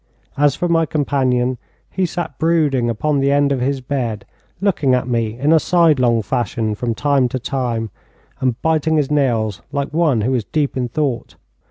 As for my companion, he sat brooding upon the end of his bed, looking at me in a sidelong fashion from time to time, and biting his nails like one who is deep in thought.